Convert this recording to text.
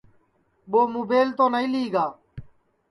ٻو مُبیل تو نائی لی گا